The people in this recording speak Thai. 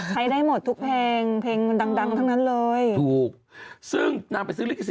ใช้ได้หมดทุกเพลงเพลงมันดังดังทั้งนั้นเลยถูกซึ่งนางไปซื้อลิขสิ